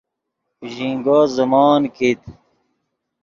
ژینگو زیموت کیت